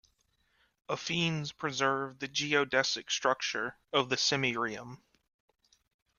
Affines preserve the geodesic structure of the semi Riem.